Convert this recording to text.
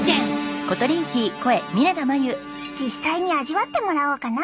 実際に味わってもらおうかな。